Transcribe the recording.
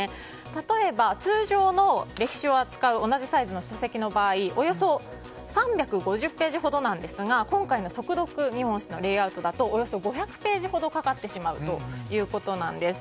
例えば通常の歴史を扱う同じサイズの書籍の場合およそ３５０ページほどですが今回の「速読日本史」のレイアウトだとおよそ５００ページほどかかってしまうということなんです。